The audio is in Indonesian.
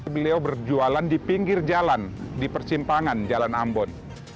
beliau berjualan di pinggir jalan di persimpangan jalan ambon